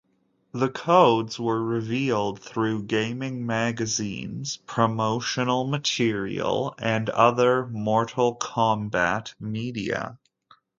The codes were revealed through gaming magazines, promotional material and other "Mortal Kombat" media.